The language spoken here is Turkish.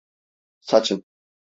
Saçın…